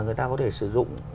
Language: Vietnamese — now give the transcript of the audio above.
người ta có thể sử dụng